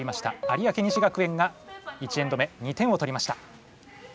有明西学園が１エンド目２点を取りました。